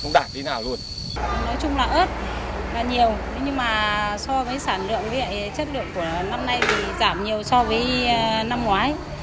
nhưng mà so với sản lượng chất lượng của năm nay giảm nhiều so với năm ngoái